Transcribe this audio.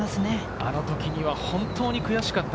あの時は本当に悔しかった。